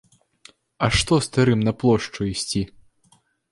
А што старым на плошчу ісці?